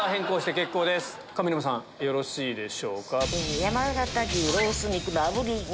上沼さんよろしいでしょうか？